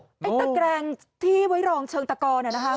ตระแกงที่ไว้รองเชิงตะกอนนะครับ